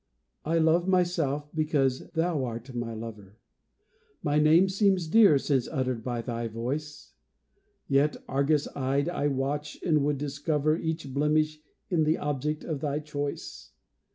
I love myself because thou art my lover, My name seems dear since uttered by thy voice; Yet, argus eyed, I watch and would discover Each blemish in the object of thy choice.